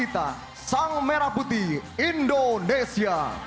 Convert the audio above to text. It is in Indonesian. yang terdiri dari